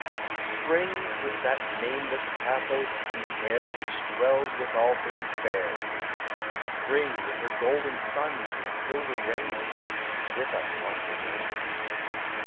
Spring, with that nameless pathos in the air Which dwells with all things fair, Spring, with her golden suns and silver rain, Is with us once again.